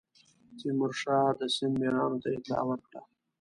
تیمورشاه د سند میرانو ته اطلاع ورکړه.